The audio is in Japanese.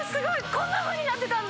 こんなふうになってたんだ！